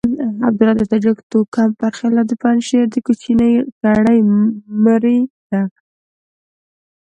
عبدالله د تاجک توکم پر خلاف د پنجشير د کوچنۍ کړۍ مرۍ ده.